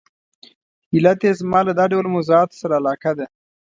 علت یې زما له دا ډول موضوعاتو سره علاقه ده.